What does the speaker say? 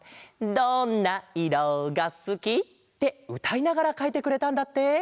「どんないろがすき」ってうたいながらかいてくれたんだって。